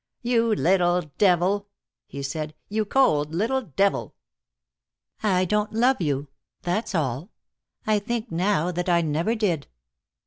"You little devil!" he said. "You cold little devil!" "I don't love you. That's all. I think now that I never did."